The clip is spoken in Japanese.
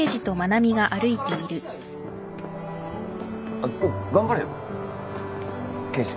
あっ頑張れよ研修。